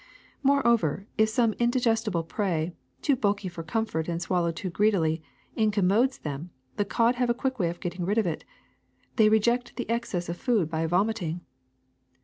Moreover, if some indigestible prey, too bulky for comfort and swallowed too greedily, incommodes them, the cod have a quick way of getting rid of it: they reject the excess of food by vomiting.